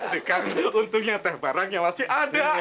dekat untungnya teh barangnya masih ada